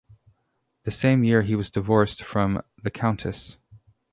The same year he was divorced from the Countess.